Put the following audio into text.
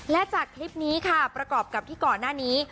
และจากคลิปนี้ค่ะประกอบกับที่ก่อนหน้านี้